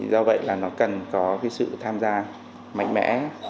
do vậy là nó cần có sự tham gia mạnh mẽ